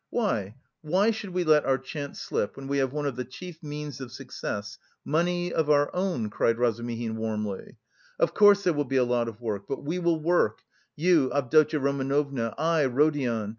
"Why, why should we let our chance slip when we have one of the chief means of success money of our own!" cried Razumihin warmly. "Of course there will be a lot of work, but we will work, you, Avdotya Romanovna, I, Rodion....